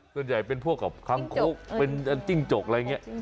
ตัวใหญ่เป็นพวกของคำโค้กเป็นจิ้งจกอะไรอย่างนี้